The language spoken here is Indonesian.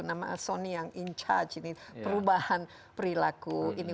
nama sony yang in charge ini perubahan perilaku ini